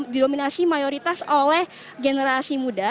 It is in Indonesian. didominasi mayoritas oleh generasi muda